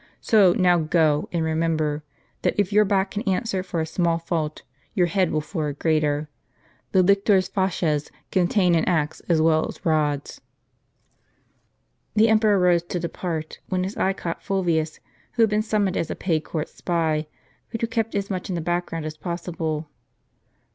So now go ; and remember, that if your back can answer for a small fault, your head will for a greater. The lictors' fasces contain an axe as well as rods." The emperor rose to depart, when his eye caught Fulvius, who had been summoned as a paid court spy, but who kept as much in the back ground as possible.